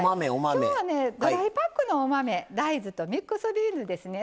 今日は、ドライパックのお豆大豆とミックスビーンズですね。